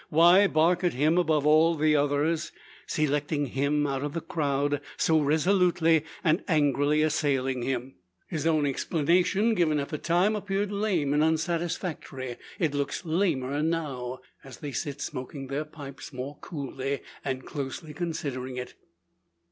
Why bark at him above all the others selecting him out of the crowd so resolutely and angrily assailing him? His own explanation, given at the time, appeared lame and unsatisfactory. It looks lamer now, as they sit smoking their pipes, more coolly and closely considering it.